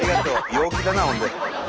陽気だなほんで。